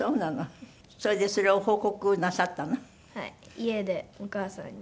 家でお母さんに。